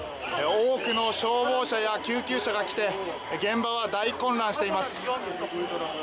多くの消防車や救急車が来て現場は大混乱しています。